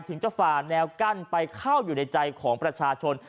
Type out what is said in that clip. ถึงจะฝ่าแนวกั้นไปเข้าอยู่ในใจของประชาชน